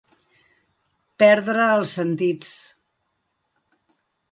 Perdre els sentits.